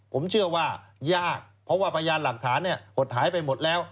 ผมเชื่อว่ายากเพราะว่าพยานหลักฐานหดหายไปหมดแล้ว